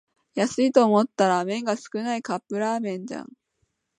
安いと思ったら麺が少ないカップラーメンじゃん